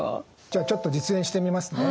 じゃあちょっと実演してみますね。